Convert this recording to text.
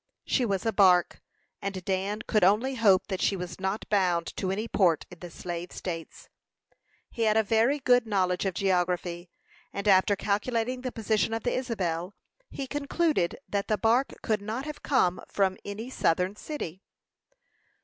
She was a bark, and Dan could only hope that she was not bound to any port in the slave states. He had a very good knowledge of geography, and after calculating the position of the Isabel, he concluded that the bark could not have come from any southern city.